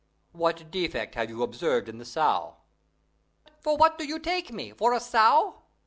"What defect have you observed in the sow?" "For what do you take me for a sow?"